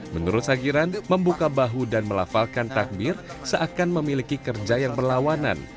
menurut sagiran membuka bahu dan melafalkan takbir seakan memiliki kerja yang berlawanan